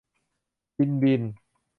บินบิน